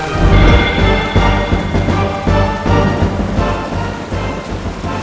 aku mau nikah sama andi